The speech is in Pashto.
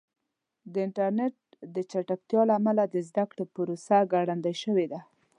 د انټرنیټ د چټکتیا له امله د زده کړې پروسه ګړندۍ شوې ده.